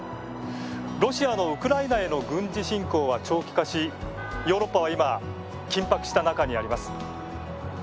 ロシアのウクライナへの軍事侵攻は長期化しヨーロッパは今、緊迫した中にあります。